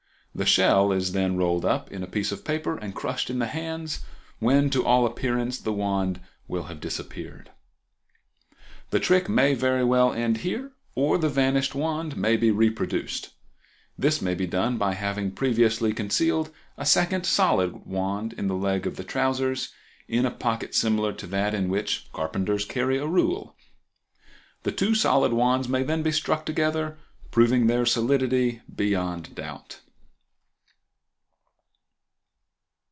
The shell is then rolled up in a piece of paper and crushed in the hands, when, to all appearance, the wand will have disappeared. The trick may very well end here, or the vanished wand may be reproduced. This may be done by having previously concealed a second solid wand in the leg of the trousers, in a pocket similar to that in which carpenters carry a rule. The two solid wands may then be struck together, proving their solidity beyond doubt.